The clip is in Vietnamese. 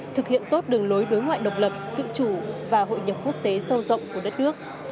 thực hiện tốt đường lối đối ngoại độc lập tự chủ và hội nhập quốc tế sâu rộng của đất nước